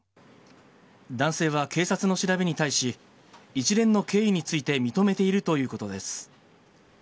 男性は警察の調べに対し、一連の経緯について認めているということです。